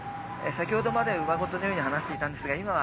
先ほどまでうわ言のように話していたんですが今は。